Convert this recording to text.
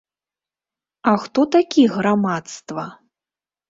А хто такі грамадства?